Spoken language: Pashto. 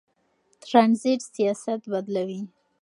ترانزیت سیاست بدلوي.